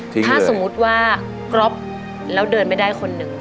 ถ้าสมมุติว่ากรอบแล้วเดินไม่ได้คนหนึ่ง